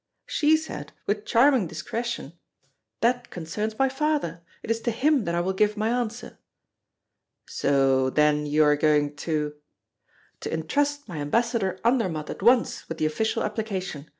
"She said, with charming discretion, 'That concerns my father. It is to him that I will give my answer.'" "So then you are going to " "To intrust my ambassador Andermatt at once with the official application.